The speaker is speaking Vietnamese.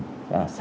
để chúng ta